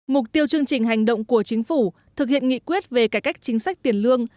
mục tiêu chương trình hành động của chính phủ thực hiện nghị quyết về cải cách chính sách tiền lương